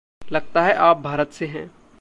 लगता है आप भारत से हैं।